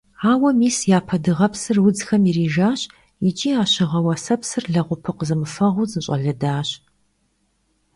Ауэ мис япэ дыгъэпсыр удзхэм ирижащ икӀи а щыгъэ-уэсэпсыр лэгъупыкъу зэмыфэгъуу зэщӀэлыдащ.